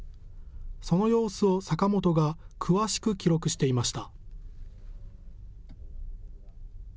その様子を坂本が詳しく記録していました。